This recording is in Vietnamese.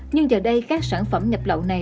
nhưng giờ đây các sản phẩm nhập lậu này